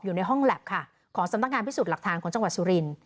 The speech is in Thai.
อยู่ในห้องแล็บค่ะของสำนักงานพิสูจน์หลักฐานของจังหวัดสุรินทร์